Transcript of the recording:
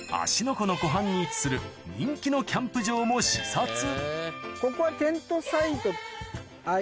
湖の湖畔に位置する人気のキャンプ場も視察ここは。